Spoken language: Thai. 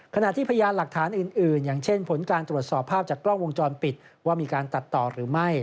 ขณะที่พยานหลักฐานอื่น